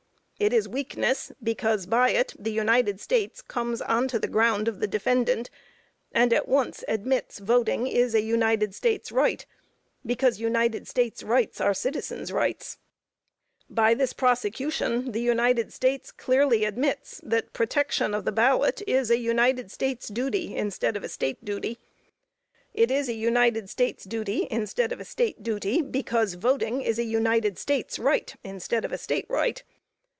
It is weakness, because by it, the United States comes onto the ground of the defendant, and, at once admits voting is an United States right, because United States rights are citizens' rights. By this prosecution, the United States clearly admits that protection of the ballot is an United States duty, instead of a State duty. It is an United States duty instead of a State duty, because voting is an United States right instead of a State right.